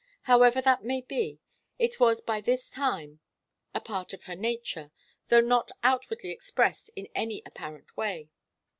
However that may be, it was by this time a part of her nature, though not outwardly expressed in any apparent way.